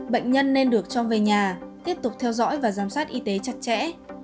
bệnh nhân nên được cho về nhà tiếp tục theo dõi và giám sát y tế chặt chẽ